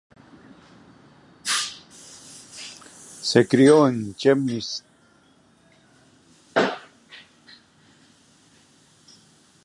Se crio en Chemnitz.